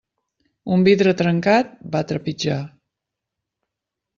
Un vidre trencat, va trepitjar.